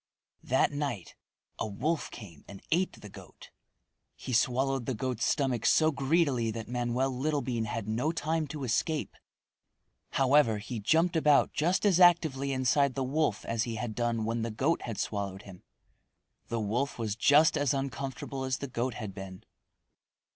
That night a wolf came and ate the goat. He swallowed the goat's stomach so greedily that Manoel Littlebean had no time to escape. However he jumped about just as actively inside the wolf as he had done when the goat had swallowed him. The wolf was just as uncomfortable as the goat had been.